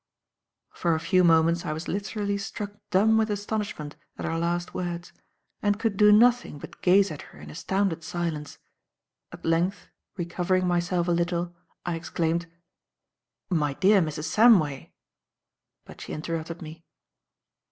For a few moments I was literally struck dumb with astonishment at her last words, and could do nothing but gaze at her in astounded silence. At length, recovering myself a little, I exclaimed: "My dear Mrs. Samway ," but she interrupted me.